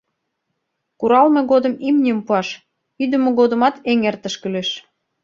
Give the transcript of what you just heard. Куралме годым имньым пуаш, ӱдымӧ годымат эҥертыш кӱлеш.